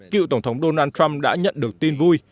cựu tổng thống donald trump đã nhận được tin vui